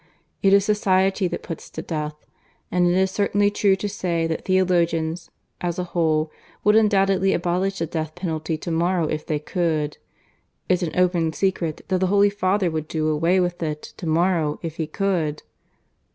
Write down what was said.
It is society that puts to death. And it is certainly true to say that theologians, as a whole, would undoubtedly abolish the death penalty to morrow if they could. It's an open secret that the Holy Father would do away with it to morrow if he could."